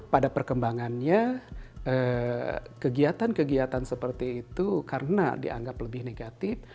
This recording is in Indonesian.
pada perkembangannya kegiatan kegiatan seperti itu karena dianggap lebih negatif